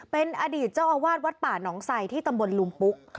เป็นอดีตเจ้าอาวาสวัดป่าหนองไซที่ตำบลลุมปุ๊ก